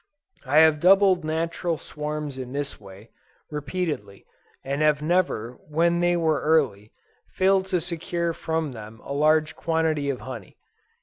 I have doubled natural swarms in this way, repeatedly, and have never, when they were early, failed to secure from them a large quantity of honey.